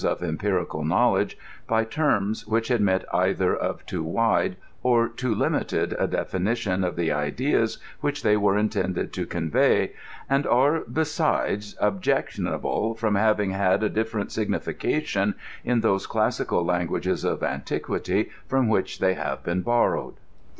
of empirical knowledgfo by terms which admit either oi too wide or too limited a defijiition of the ideas which they were intended to convey, and are, besides, objectionable from hay ing had a diiSerent signification in those classical languages of antiquity froin which they have been borrowed.